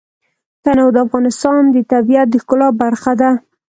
تنوع د افغانستان د طبیعت د ښکلا برخه ده.